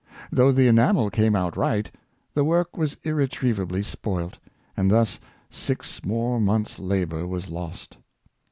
Though the enamel came out right, the w^ork was irretrievably spoilt, and thus six more months' labor was lost.